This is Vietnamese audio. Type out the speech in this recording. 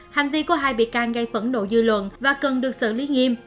hành vi của hai bị can gây phẫn nộ dư luận và cần được xử lý nghiêm